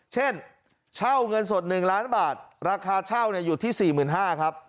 เช่นเช่าเงินสดหนึ่งล้านบาทราคาเช่าเนี้ยอยู่ที่สี่หมื่นห้าครับ